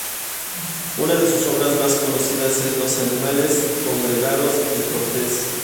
Una de sus obras más conocidas es "Los animales congregados en Cortes".